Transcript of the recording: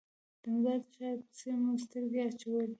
د مزار د ښار پسې مو سترګې اچولې.